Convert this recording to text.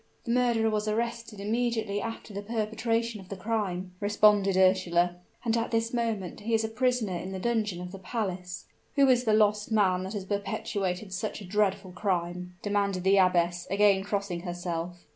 "The murderer was arrested immediately after the perpetration of the crime," responded Ursula; "and at this moment he is a prisoner in the dungeon of the palace." "Who is the lost man that has perpetrated such a dreadful crime?" demanded the abbess, again crossing herself.